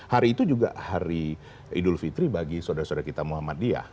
hari itu juga hari idul fitri bagi saudara saudara kita muhammadiyah